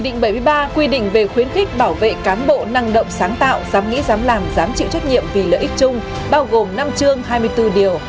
nghị định bảy mươi ba quy định về khuyến khích bảo vệ cán bộ năng động sáng tạo dám nghĩ dám làm dám chịu trách nhiệm vì lợi ích chung bao gồm năm chương hai mươi bốn điều